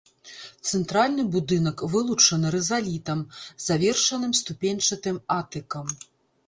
Цэнтральны будынак вылучаны рызалітам, завершаным ступеньчатым атыкам.